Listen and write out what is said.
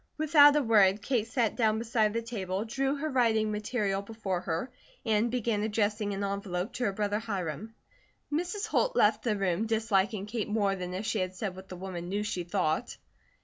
Without a word Kate sat down beside the table, drew her writing material before her, and began addressing an envelope to her brother Hiram. Mrs. Holt left the room, disliking Kate more than if she had said what the woman knew she thought.